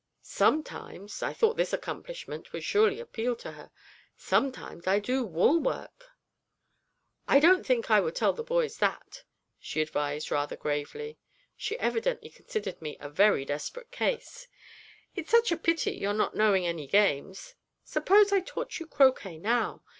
Sometimes' (I thought this accomplishment would surely appeal to her) 'sometimes I do woolwork!' 'I don't think I would tell the boys that,' she advised rather gravely; she evidently considered me a very desperate case. 'It's such a pity, your not knowing any games. Suppose I taught you croquet, now?